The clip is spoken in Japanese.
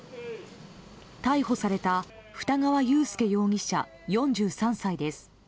逮捕された二川悠介容疑者４３歳です。